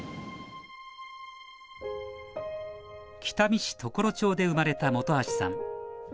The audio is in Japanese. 北見市常呂町で生まれた本橋さん。